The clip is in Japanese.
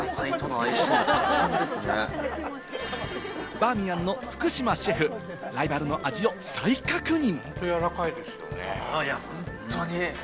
バーミヤンの福島シェフ、ライバルの味を再確認。